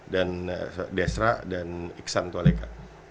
dan desra dan iksan toaleka